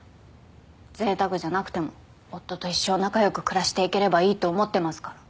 ぜいたくじゃなくても夫と一生仲良く暮らしていければいいと思ってますから。